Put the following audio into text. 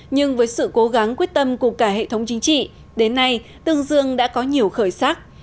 nhưng với sự cố gắng quyết tâm của cả hệ thống chính trị đến nay tương dương đã có nhiều khởi sắc